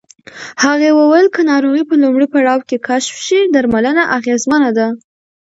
هغې وویل که ناروغي په لومړي پړاو کې کشف شي، درملنه اغېزمنه ده.